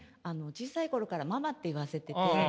小さい頃から「ママ」って言わせてて。